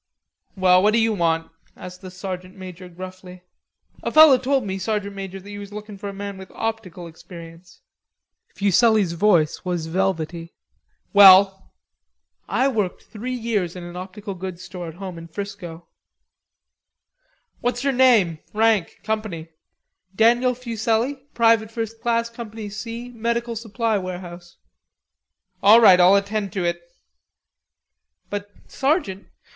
"Well what do you want?" asked the sergeant major gruffly. "A feller told me, Sergeant Major, that you was look in' for a man with optical experience;" Fuselli's voice was velvety. "Well?" "I worked three years in an optical goods store at home in Frisco." "What's your name, rank, company?" "Daniel Fuselli, Private 1st class, Company C, medical supply warehouse." "All right, I'll attend to it." "But, sergeant."